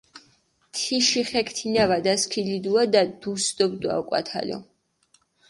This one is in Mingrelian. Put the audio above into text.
თიში ხექ თინა ვადასქილიდუადა, დუს დობდვა ოკვათალო.